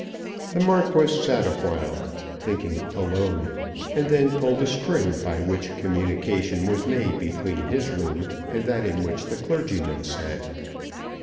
The Marquis sat awhile thinking alone, and then pulled a string by which communication was made between his room and that in which the clergyman sat.